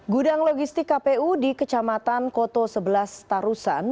gudang logistik kpu di kecamatan koto sebelas tarusan